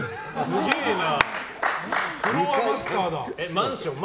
すげえな。